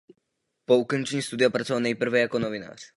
Po ukončení studia pracoval nejprve jako novinář.